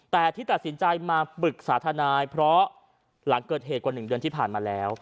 แต่ที่ตัดสินใจมาปรึกษาทนายเพราะหลังเกิดเหตุกว่า๑เดือนที่ผ่านมาแล้ว